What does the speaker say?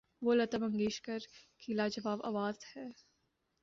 وہ لتا منگیشکر کی لا جواب آواز ہے۔